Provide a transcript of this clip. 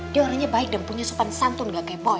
dia orangnya baik dan punya supan santun gak kayak boy